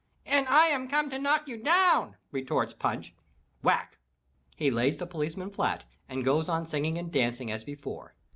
"And I am come to knock you down!" retorts Punch. Whack! he lays the policeman flat and goes on singing and dancing as before.